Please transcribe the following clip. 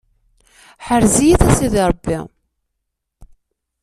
Ḥrez-iyi-t a sidi Ṛebbi.